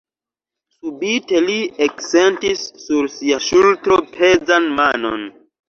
Subite li eksentis sur sia ŝultro pezan manon.